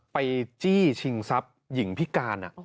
ไปจี้ชิงซับหญิงพิการ